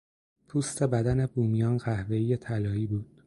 پوست بدن بومیان قهوهای طلایی بود.